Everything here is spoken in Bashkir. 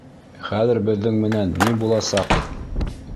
Хәҙер беҙҙең менән ни буласа-аҡ?